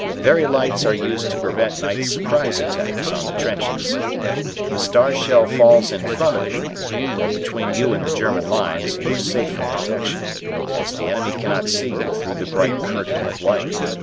Very lights are used to prevent night surprise attacks on the trenches. If a star shell falls in front of you, or between you and the German lines, you are safe from detection, as the enemy cannot see you through the bright curtain of light.